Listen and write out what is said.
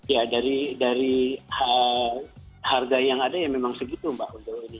ya dari harga yang ada ya memang segitu mbak